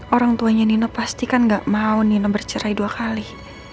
orang tuanya nina pasti kan gak mau nine bercerai dua kali